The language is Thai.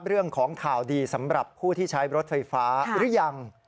เรื่องของข่าวดีสำหรับผู้ที่ใช้รถไฟฟ้าหรือยัง